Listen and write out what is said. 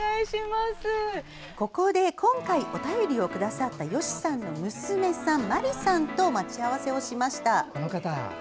ここで、今回お便りをくださったよしさんの娘さんまりさんと待ち合わせをしました。